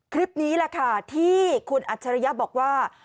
คลิปนี้แหละค่ะที่คุณอัจฉริยะบอกว่า